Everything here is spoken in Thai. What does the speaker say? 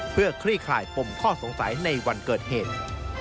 เพื่อคลี่คลายปมข้อสงสัยในวันเกิดเหตุ